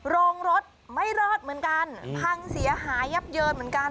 โรงรถไม่รอดเหมือนกันพังเสียหายยับเยินเหมือนกัน